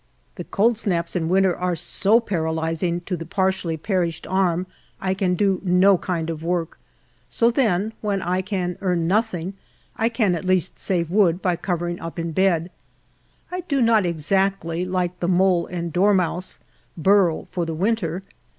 The cold snaps in winter are so paralyzing to the partially 22 HALF A DIME A DAY. perished arm, I can do no kind of work ; so then when I can earn nothing, I can at least save wood by covering up in bed. I do not exactly, like the mole and dormouse, burrow for the winter.